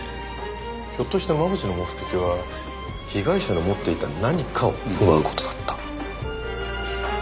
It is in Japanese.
ひょっとして真渕の目的は被害者の持っていた何かを奪う事だった。